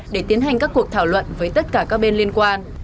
để tiến hành các cuộc thảo luận với tất cả các bên liên quan